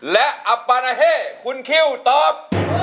และอับปานาเฮ่คุณคิวตอบ